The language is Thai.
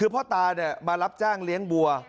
คือพ่อตามารับจ้างเลี้ยงบัว